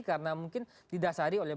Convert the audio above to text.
karena mungkin didasari oleh